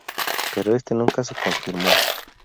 Pero este nunca se confirmó.